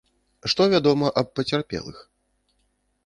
Што вядома аб пацярпелых?